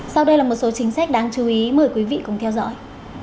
sau đây là một số chính sách đáng chú ý mời quý vị cùng theo dõi